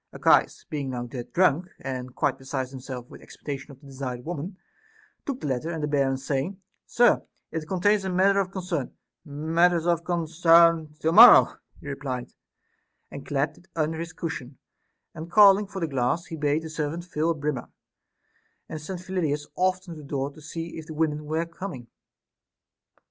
Ar chias being now dead drunk, and quite beside himself with expectation of the desired women, took the letter ; and the bearer saying, " Sir, it contains matter of concern," " Matters of concern to morrow," he replied, and clapped it under his cushion ; and calling for the glass, he bade the servant till a brimmer, and sent Phyllidas often to the door to see if the women were coming.